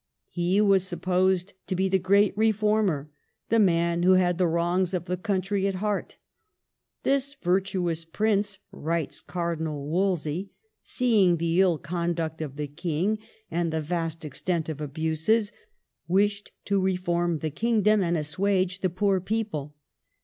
He was supposed to be the great reformer, the man who had the wrongs of the country at heart. " This virtuous prince," writes Cardinal Wolsey, '' see ing the ill conduct of the King and the vast extent of abuses, wished to reform the kingdom and assuage the poor people."